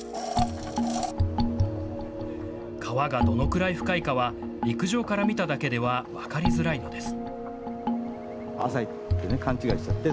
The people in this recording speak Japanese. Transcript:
川がどのくらい深いかは陸上から見ただけでは分かりづらいのです。